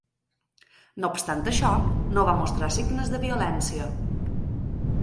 No obstant això, no va mostrar signes de violència.